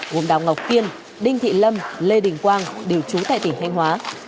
gồm đào ngọc kiên đinh thị lâm lê đình quang đều trú tại tỉnh thanh hóa